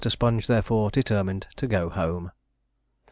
Sponge, therefore, determined to go home.